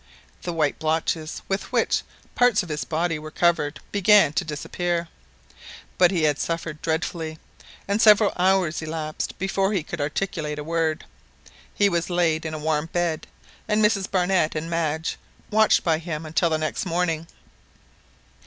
The white blotches with which parts of his body were covered began to disappear; but he had suffered dreadfully, and several hours elapsed before he could articulate a word. He was laid in a warm bed, and Mrs Barnett and Madge watched by him until the next morning.